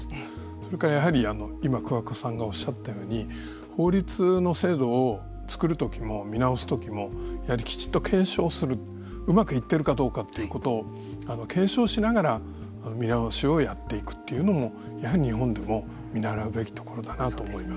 それから、やはり、今桑子さんがおっしゃったように法律の制度を作る時も見直す時もやはり、きちっと検証をするうまくいってるかどうかということを検証しながら見直しをやっていくというのもやはり日本でも見習うべきところだなと思います。